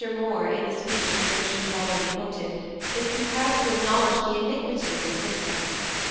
Moore, in the speech from which we have already quoted, is compelled to acknowledge the iniquity of this system.